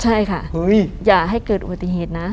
ใช่ค่ะอย่าให้เกิดอุบัติเหตุนะ